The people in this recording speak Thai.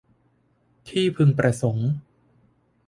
ที่พึงประสงค์